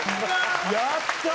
やったー！